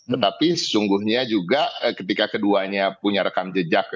tetapi sesungguhnya juga ketika keduanya punya rekam jejak